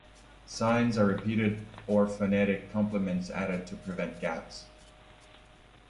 Signs are repeated or phonetic complements added to prevent gaps.